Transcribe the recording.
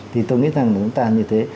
thì tôi nghĩ rằng là chúng ta như thế